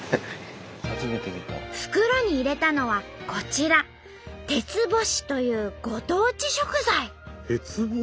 袋に入れたのはこちら「鉄干し」というご当地食材。